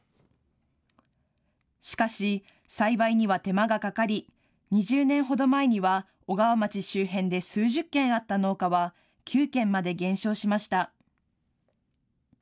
しかし、栽培には手間がかかり２０年ほど前には小川町周辺で数十軒あった農家は９軒まで減少しました。